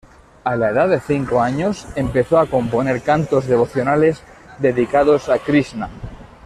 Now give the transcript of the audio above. A la edad de cinco años, empezó a componer cantos devocionales dedicados a Krishna.